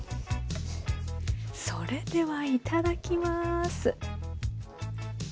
それではいただきます。